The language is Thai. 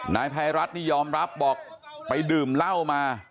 นายภัยรัฐนี่ยอมรับบอกไปดื่มเหล้ามา